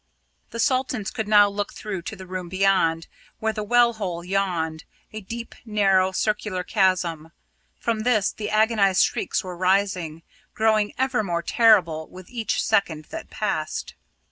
The Saltons could now look through to the room beyond, where the well hole yawned, a deep narrow circular chasm. From this the agonised shrieks were rising, growing ever more terrible with each second that passed.